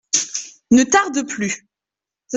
Ne tarde plus.